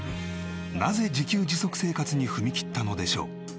なぜ自給自足生活に踏み切ったのでしょう？